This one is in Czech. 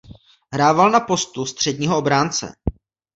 Hrával na postu středního obránce.